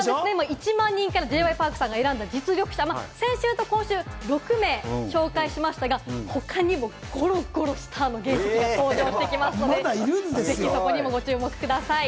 １万人から選んだ実力者、先週と今週で６名紹介しましたが、他にもごろごろスターの原石が登場してきますので、そこにもご注目ください。